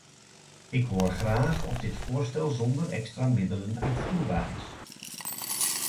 Ik hoor graag of dit voorstel zonder extra middelen uitvoerbaar is.